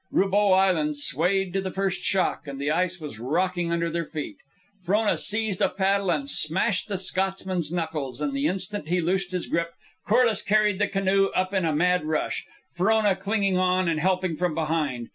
Roubeau Island swayed to the first shock, and the ice was rocking under their feet. Frona seized a paddle and smashed the Scotsman's knuckles; and the instant he loosed his grip, Corliss carried the canoe up in a mad rush, Frona clinging on and helping from behind.